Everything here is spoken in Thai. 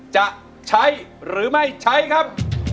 จะใช้หรือไม่ใช้ครับ